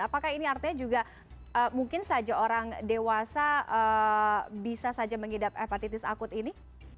apakah ini artinya juga mungkin saja orang dewasa bisa saja mengidap hepatitis akut ini